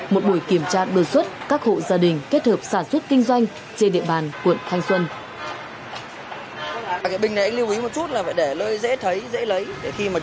một buổi kiểm tra đột xuất các hộ gia đình kết hợp sản xuất kinh doanh trên địa bàn quận thanh xuân